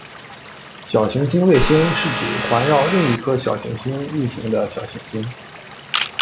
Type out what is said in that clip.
小行星卫星是指环绕另一颗小行星运行的小行星。